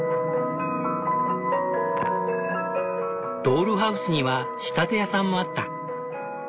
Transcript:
ドールハウスには仕立て屋さんもあった。